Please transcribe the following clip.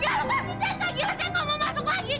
ya lepasin gak gila gak mau masuk lagi